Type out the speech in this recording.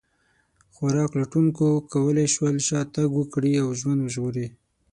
خوراک لټونکو کولی شول شا تګ وکړي او ژوند وژغوري.